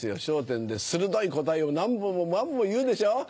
『笑点』で鋭い答えを何本も何本も言うでしょ？